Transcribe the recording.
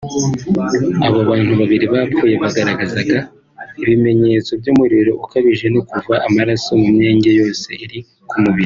Abo bantu babiri bapfuye bagaragazaga ibimenyetso by’umuriro ukabije no kuva amaraso mu myenge yose iri ku mubiri